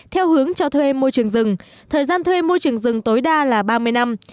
theo hướng cho thuê môi trường rừng thời gian thuê môi trường rừng tối đa là ba mươi năm